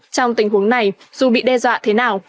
trong tình huống này dù bị đe dọa thế nào